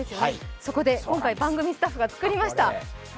そこで今回、番組スタッフが作りました。